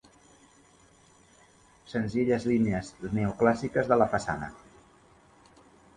Senzilles línies neoclàssiques de la façana.